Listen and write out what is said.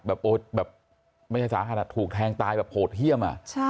แบบไม่ใช่สาหัสถูกแทงตายแบบโหดเยี่ยม